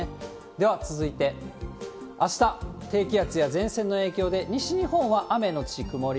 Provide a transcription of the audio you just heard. では続いて、あした、低気圧や前線の影響で、西日本は雨後曇り。